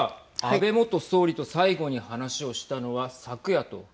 安倍元総理と最後に話をしたのははい。